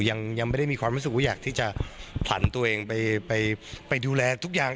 ยังไม่ได้มีความรู้สึกว่าอยากที่จะผลันตัวเองไปดูแลทุกอย่าง